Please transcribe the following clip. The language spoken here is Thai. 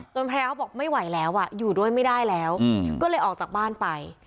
ภรรยาเขาบอกไม่ไหวแล้วอยู่ด้วยไม่ได้แล้วก็เลยออกจากบ้านไป